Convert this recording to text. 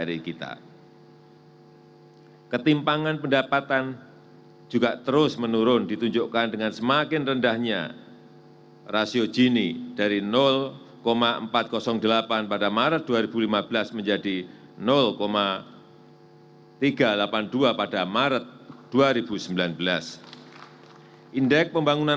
yang saya hormati bapak haji muhammad yudhkala